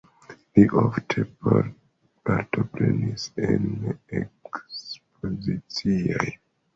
Li ofte partoprenis en ekspozicioj.